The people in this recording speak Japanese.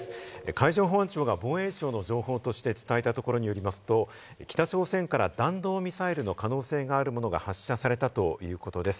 海上保安庁が防衛省の情報として伝えたところによりますと、北朝鮮から弾道ミサイルの可能性があるものが発射されたということです。